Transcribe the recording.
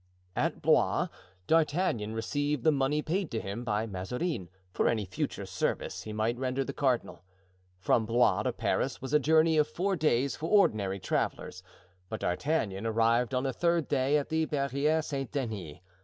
At Blois, D'Artagnan received the money paid to him by Mazarin for any future service he might render the cardinal. From Blois to Paris was a journey of four days for ordinary travelers, but D'Artagnan arrived on the third day at the Barriere Saint Denis.